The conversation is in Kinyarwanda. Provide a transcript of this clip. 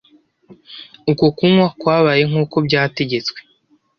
Uko kunywa kwabaye nk’uko byategetswe